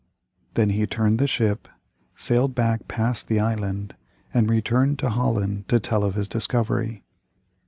Then he turned the ship, sailed back past the island, and returned to Holland to tell of his discovery.